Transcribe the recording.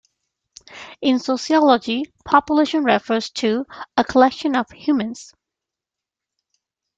In sociology, population refers to a collection of humans.